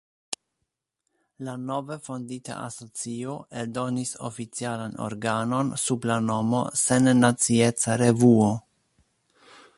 La nove fondita asocio eldonis oficialan organon, sub la nomo "Sennacieca Revuo".